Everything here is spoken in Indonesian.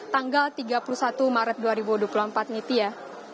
tanggal tiga puluh satu maret dua ribu dua puluh empat nitia